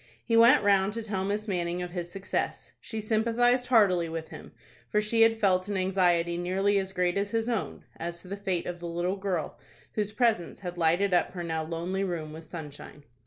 He went round to tell Miss Manning of his success. She sympathized heartily with him, for she had felt an anxiety nearly as great as his own as to the fate of the little girl whose presence had lighted up her now lonely room with sunshine.